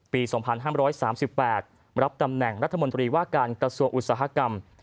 ปี๒๕๓๘รับตำแหน่งรัฐมนตรีว่าการกระทรวงอุตสาหกรรม